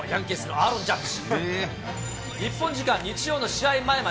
アーロン・ジャッジ。